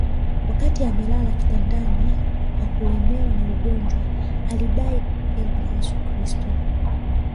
wakati amelala kitandani kwa kulemewa na ugonjwa alidai kutokewa na Yesu Kristo